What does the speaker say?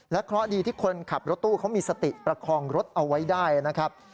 เพราะดีที่คนขับรถตู้เขามีสติประคองรถเอาไว้ได้นะครับ